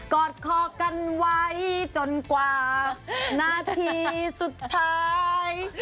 อดคอกันไว้จนกว่านาทีสุดท้าย